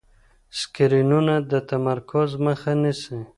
سکرینونه د تمرکز مخه نیسي.